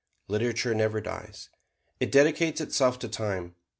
Literature never dies: it dedicates itself to Time.